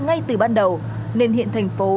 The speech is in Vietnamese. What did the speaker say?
ngay từ ban đầu nên hiện thành phố